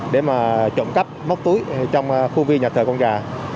để mà trộm cắp móc túi trong khu viên nhà thờ con gà